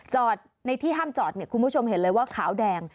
จอดในที่ห้ามจอดเนี่ยคุณผู้ชมเห็นเลยว่าขาวแดง